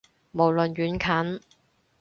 無論遠近